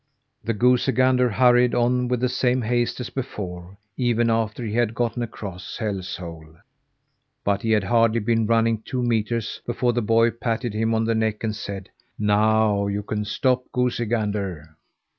The goosey gander hurried on with the same haste as before, even after he had gotten across Hell's Hole. But he had hardly been running two metres before the boy patted him on the neck, and said: "Now you can stop, goosey gander."